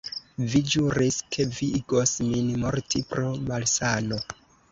Vi ĵuris, ke vi igos min morti pro malsano!